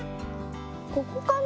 ここかな？